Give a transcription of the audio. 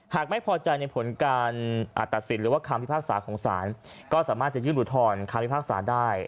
หากไม่พอใจในผลการตัดสินหรือว่าคำพิพากษาของศาลก็สามารถจะยื่นอุทธรณ์คำพิพากษาได้